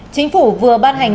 chính phủ vừa ban hành